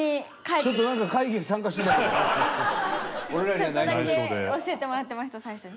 ちょっとだけ教えてもらってました最初に。